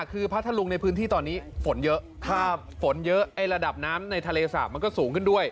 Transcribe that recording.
คือพัทธลุงในพื้นที่ตอนนี้ฝนเยอะฝนเยอะไอ้ระดับน้ำในทะเลสาบมันก็สูงขึ้นด้วย